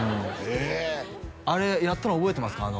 ええあれやったの覚えてますか？